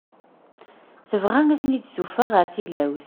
Tebɣa ad ten-id-tessuffeɣ ɣer tilawt.